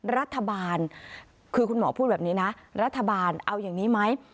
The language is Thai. รัฐบาลคือคุณหมอพูดแบบนี้นะรัฐบาลเอาอย่างนี้ไหม